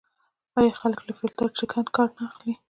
آیا خلک له فیلټر شکن کار نه اخلي؟